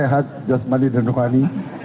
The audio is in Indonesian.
sehat jasmani dan nukhani